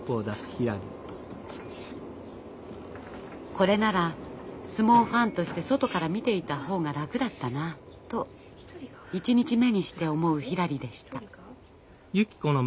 これなら相撲ファンとして外から見ていた方が楽だったなと１日目にして思うひらりでした。